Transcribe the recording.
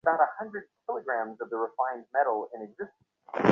সম্ভবত আমি আগামী শীতে ভারতে ফিরিব।